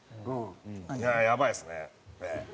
いややばいですね。